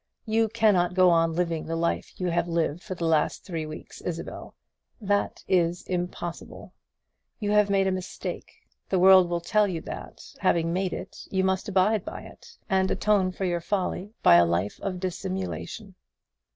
You cannot go on living the life you have lived for the last three weeks, Isabel. That is impossible. You have made a mistake. The world will tell you that, having made it, you must abide by it, and atone for your folly by a life of dissimulation.